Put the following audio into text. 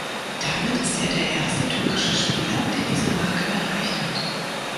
Damit ist er der erste türkische Spieler, der diese Marke erreicht hat.